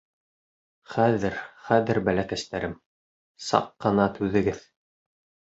— Хәҙер, хәҙер, бәләкәстәрем, саҡ ҡына түҙегеҙ.